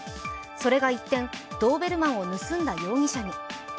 それが一転、ドーベルマンを盗んだ容疑者に。